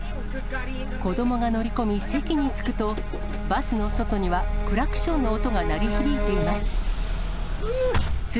子どもが乗り込み、席に着くと、バスの外にはクラクションの音が鳴り響いています。